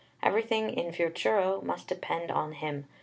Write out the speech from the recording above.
Everything in futuro must depend on him.